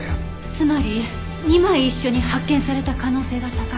つまり２枚一緒に発券された可能性が高い。